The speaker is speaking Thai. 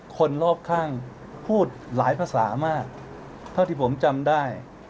คนรอบข้างพูดหลายภาษามากเท่าที่ผมจำได้